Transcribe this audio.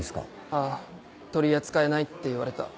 ああ取り扱えないって言われた。